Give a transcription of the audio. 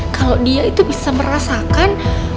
kalau dia itu bisa merasakan